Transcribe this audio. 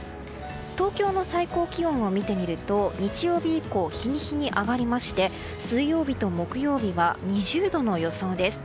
東京の最高気温を見てみると日曜日以降日に日に上がりまして水曜日と木曜日は２０度の予想です。